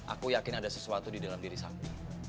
aku yakin ada sesuatu di dalam diri saya